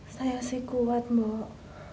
saya sih kuat mbok